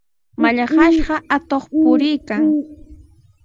Mallaqnashqa atuq puriykan.